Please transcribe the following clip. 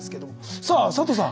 さあ佐藤さん